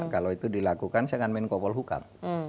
kalau itu dilakukan saya akan main kopol hukam